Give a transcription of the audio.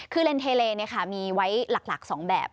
คือเลนเทเลมีไว้หลัก๒แบบ